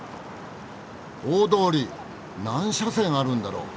大通り何車線あるんだろう！？